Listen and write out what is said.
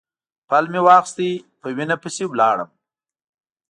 پل مې واخیست وینې پسې لاړم.